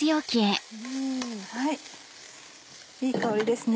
いい香りですね。